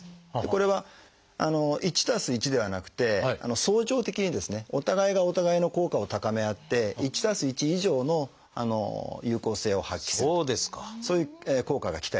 これは「１＋１」ではなくて相乗的にですねお互いがお互いの効果を高め合って「１＋１」以上の有効性を発揮するそういう効果が期待できます。